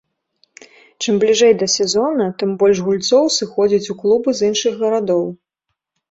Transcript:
Чым бліжэй да сезона, тым больш гульцоў сыходзіць у клубы з іншых гарадоў.